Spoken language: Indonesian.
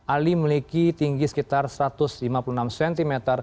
ali memiliki tinggi sekitar satu ratus lima puluh enam cm